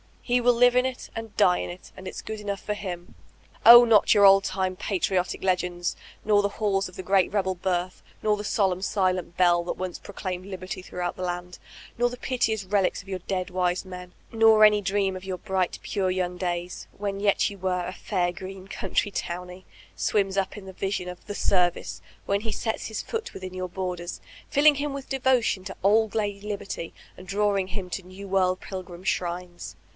He will live in it and die in it, and it's good enough for him. Oh, not your old time patrbtic legends, nor the halb of the great Rebel Birth, nor the solemn, silent Bell diat once 4S8 VoLTAnuNE DE Clbybb i proclaimed liberty throughout the land, nor the piteous / relics of your dead wise men, nor any dream of your | bright, pure young days when yet you were ''a fair greene country towne/' swims up in the vision of ''the service" when he sets his foot within your borders, filling him with devotion to Our Lady Liberty, and drawing him to New World pilgrim shrines.